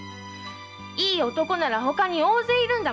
いい男ならほかに大勢いるんだもん。